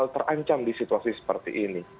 terancam di situasi seperti ini